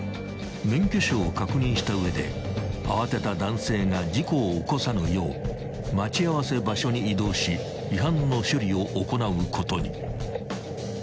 ［免許証を確認した上で慌てた男性が事故を起こさぬよう待ち合わせ場所に移動し違反の処理を行うことに］